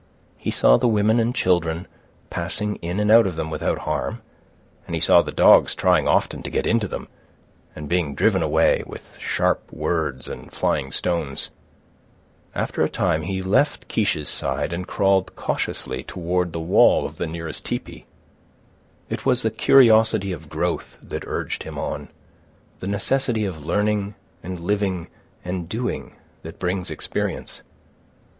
He saw the women and children passing in and out of them without harm, and he saw the dogs trying often to get into them, and being driven away with sharp words and flying stones. After a time, he left Kiche's side and crawled cautiously toward the wall of the nearest tepee. It was the curiosity of growth that urged him on—the necessity of learning and living and doing that brings experience.